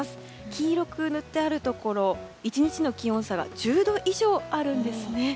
黄色く塗ってあるところ１日の気温差が１０度以上あるんですね。